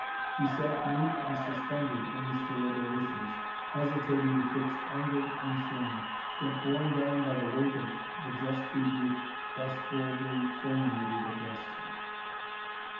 He sat mute and suspended in his deliberations, hesitating betwixt anger and shame, yet borne down by the weight of the just rebuke thus boldly fulminated against him.